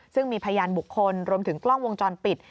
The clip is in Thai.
ซึ่งมีพยานบุคคลรวมถึงกล้องวงจรปิด